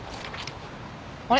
あれ？